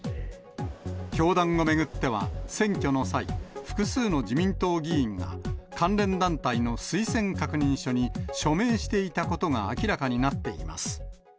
教団を巡っては、選挙の際、複数の自民党議員が、関連団体の推薦確認書に署名していたことが明らかになっています。